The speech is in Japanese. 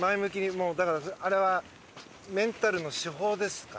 もうだからあれはメンタルの手法ですかね。